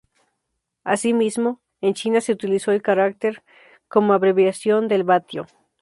Asimismo, en China se utiliza el carácter 瓦 como abreviación del vatio.